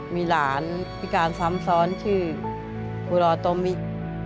มีหลานพิการซ้ำซ้อนชื่อกูรอโตมิก